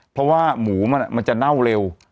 เพราะว่าหมูมันจะเน่าเร็ว